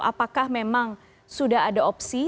apakah memang sudah ada opsi